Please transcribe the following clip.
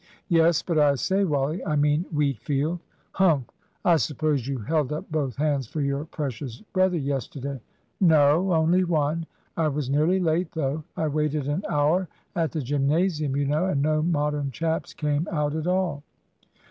"Yes, but I say, Wally, I mean Wheatfield " "Humph I suppose you held up both hands for your precious brother yesterday." "No, only one. I was nearly late, though. I waited an hour at the gymnasium, you know, and no Modern chaps came out at all."